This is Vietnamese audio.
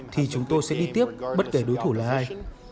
thì chúng tôi sẽ đi tiếp bất kể đối thủ là hay